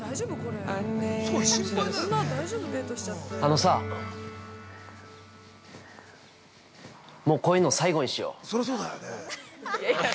あのさ、もうこういうの最後にしよう。